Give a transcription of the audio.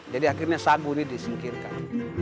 jadi akhirnya sagu ini disingkirkan